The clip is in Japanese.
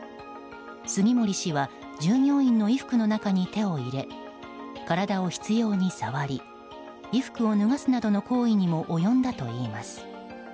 杉森氏は従業員の衣服の中に手を入れ体を執拗に触り衣服を脱がすなどの行為にも及んだといいます。